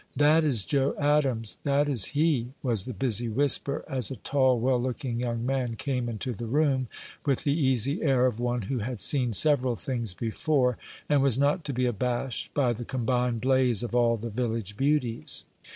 "That is Joe Adams!" "That is he!" was the busy whisper, as a tall, well looking young man came into the room, with the easy air of one who had seen several things before, and was not to be abashed by the combined blaze of all the village beauties.